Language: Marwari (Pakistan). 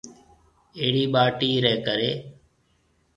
اھڙِي ٻاٽِي رَي ڪري۔